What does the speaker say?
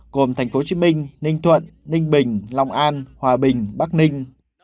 gồm thành phố hồ chí minh ninh thuận ninh bình long an hòa bình bắc ninh